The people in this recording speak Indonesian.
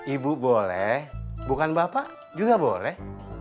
ibu boleh bukan bapak juga boleh